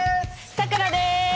さくらです！